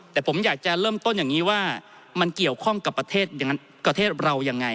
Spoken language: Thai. แต่ผมอยากจะเริ่มต้นอย่างนี้ว่ามันเกี่ยวข้องกับประเทศเรายังไง